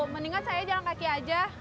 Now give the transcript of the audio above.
mendingan saya jalan kaki aja